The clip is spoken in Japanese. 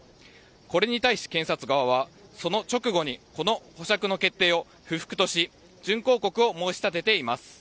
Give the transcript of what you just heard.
これに対し検察側はその直後にこの保釈の決定を不服とし準抗告を申し立てています。